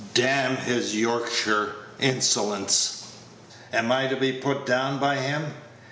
D n his Yorkshire insolence! Am I to be put down by him?